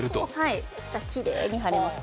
きれいに貼れます。